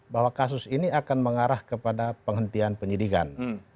bahwa kasus ini akan mengarah kepada penghentian penyidikan